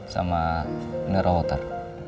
sama mineral water